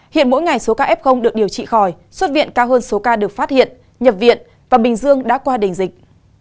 hiện mỗi ngày số ca f được điều trị khỏi xuất viện cao hơn số ca được phát hiện nhập viện và bình dương đã qua đỉnh dịch